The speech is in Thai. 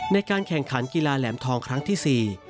ในการแข่งขันกีฬาแหลมทองครั้งที่๔